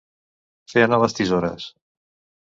Fer anar les tisores.